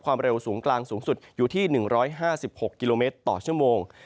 ความเร็วสูงกลางสูงสุดอยู่ที่๑๕๖กิโลเมตรต่อชั่วโมง